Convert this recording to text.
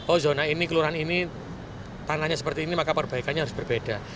oh zona ini kelurahan ini tanahnya seperti ini maka perbaikannya harus berbeda